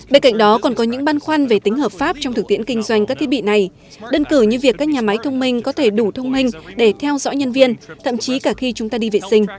bên cạnh đó còn có những băn khoăn về tính hợp pháp trong thực tiễn kinh doanh các thiết bị này đơn cử như việc các nhà máy thông minh có thể đủ thông minh để theo dõi nhân viên thậm chí cả khi chúng ta đi vệ sinh